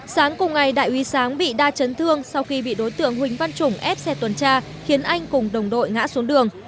sáng cùng ngày đại úy sáng bị đa chấn thương sau khi bị đối tượng huỳnh văn trùng ép xe tuần tra khiến anh cùng đồng đội ngã xuống đường